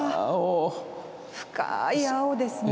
深い青ですね。